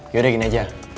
yaudah gini aja